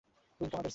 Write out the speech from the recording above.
Wing commander Singh!